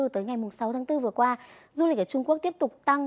tới ngày sáu tháng bốn vừa qua du lịch ở trung quốc tiếp tục tăng